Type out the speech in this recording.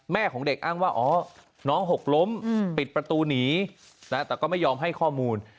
ของเด็กอ้างว่าอ๋อน้องหกล้มปิดประตูหนีแต่ก็ไม่ยอมให้ข้อมูล